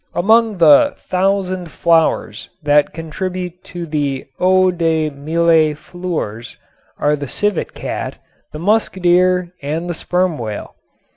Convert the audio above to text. Among the "thousand flowers" that contribute to the "Eau de Mille Fleurs" are the civet cat, the musk deer and the sperm whale.